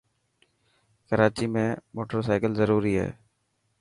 ڪراچي ۾ موٽر سائيڪل ضروري هي.